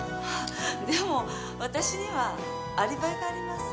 でも私にはアリバイがあります。